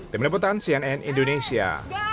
tim deputan cnn indonesia